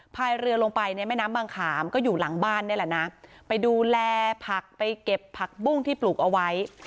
พายเรือลงไปในแม่น้ำบางขามก็อยู่หลังบ้านนี่แหละนะไปดูแลผักไปเก็บผักบุ้งที่ปลูกเอาไว้